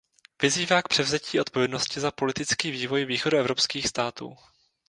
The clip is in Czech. Vyzývá k převzetí odpovědnosti za politický vývoj východoevropských států.